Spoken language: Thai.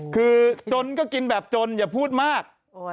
คือจนก็กินแบบจนอย่าพูดมาก